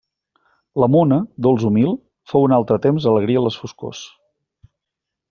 La mona, dolç humil, fou en altre temps alegria en les foscors.